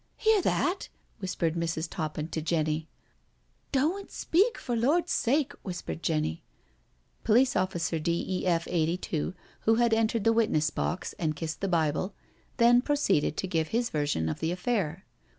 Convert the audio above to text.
" Hear that?" whispered Mrs. Toppin to Jenny. " Doan*t speak, for Lord's sake," whispered Jenny. Police officer D. £. F. 82, who had entered the wit ness box and kissed the Bible, then proceeded to give his version of the affair.